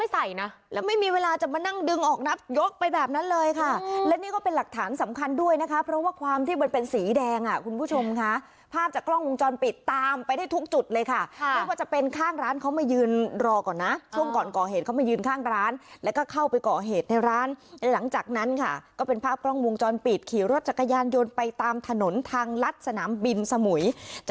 สำคัญด้วยนะคะเพราะว่าความที่มันเป็นสีแดงอ่ะคุณผู้ชมค่ะภาพจากกล้องวงจรปิดตามไปได้ทุกจุดเลยค่ะค่ะเพราะว่าจะเป็นข้างร้านเขามายืนรอก่อนน่ะช่วงก่อนก่อเหตุเขามายืนข้างร้านแล้วก็เข้าไปก่อเหตุในร้านแล้วหลังจากนั้นค่ะก็เป็นภาพกล้องวงจรปิดขี่รถจักรยานยนต์ไปตามถนนทางลัดสนามบินสมุย